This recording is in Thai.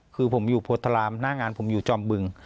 คือผมอยู่โพธารามหน้างานผมอยู่จอมบึง